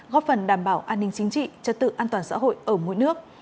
góp phần đảm bảo an ninh chính trị trật tự an toàn xã hội ở mỗi nước